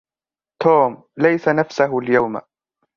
توم ليس نَفسَهُ اليوم.